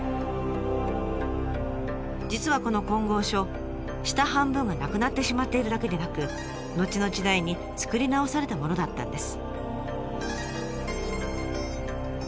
実はこの金剛杵下半分がなくなってしまっているだけでなく後の時代に作り直されたものだったんです。